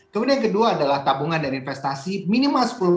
kemudian yang kedua adalah tabungan dan investasi minimal sepuluh